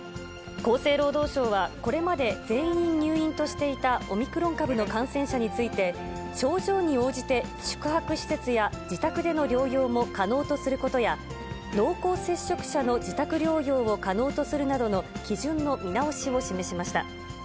厚生労働省は、これまで全員入院としていたオミクロン株の感染者について、症状に応じて、宿泊施設や自宅での療養も可能とすることや、濃厚接触者の自宅療養を可能とするなどの基準の見直しを示しました。